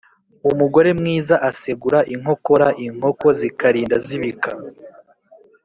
umugore mwiza asegura inkokora inkoko zikarinda zibika.